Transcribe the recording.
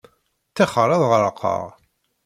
Ṭṭixer ad ɣerqeɣ.